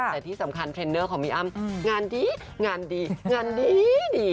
แต่ที่สำคัญเทรนเนอร์ของพี่อ้ำงานดีงานดีงานดีดี